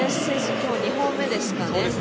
今日、２本目ですね。